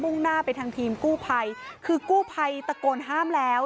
่งหน้าไปทางทีมกู้ภัยคือกู้ภัยตะโกนห้ามแล้ว